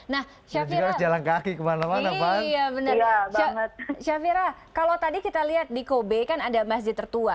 nah safira kalau tadi kita lihat di kobe kan ada masjid tertua